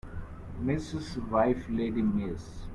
Mrs. wife lady Miss